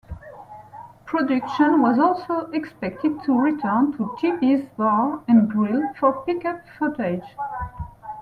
Production was also expected to return to Geebee's Bar and Grill for pick-up footage.